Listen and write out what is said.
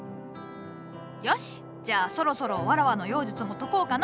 よしじゃあそろそろわらわの妖術も解こうかの？